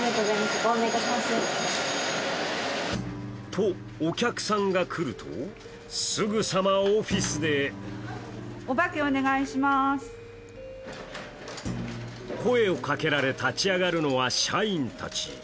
と、お客さんが来るとすぐさまオフィスで声をかけられ立ち上がるのは社員たち。